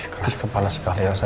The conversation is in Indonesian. keras kepala sekali elsa